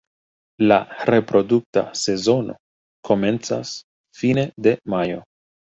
La reprodukta sezono komencas fine de majo.